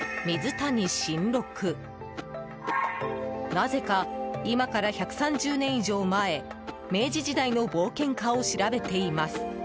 ［なぜか今から１３０年以上前明治時代の冒険家を調べています］